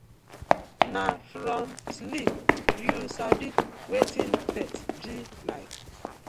Na from sleep yu sabi wetin death bi like.